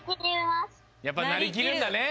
やっぱなりきるんだね。